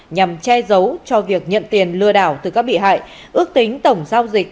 nhằm che giấu cho việc nhận tiền lừa đảo từ các bị hại ước tính tổng giao dịch